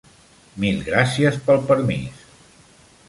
Mil gràcies pel permís.